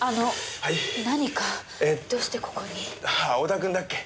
織田君だっけ？